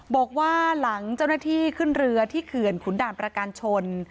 บอกว่าหลังเจ้าหน้าที่ขึ้นเรือที่เขื่อนขุนด่านประการชน